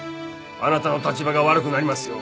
あなたの立場が悪くなりますよ。